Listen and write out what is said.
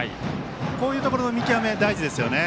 こういうところの見極め、大事ですね。